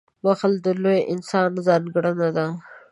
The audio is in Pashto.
• بښل د لوی انسان ځانګړنه ده.